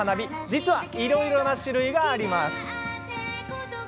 実は、いろいろな種類があります。